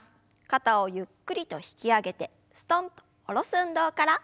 肩をゆっくりと引き上げてすとんと下ろす運動から。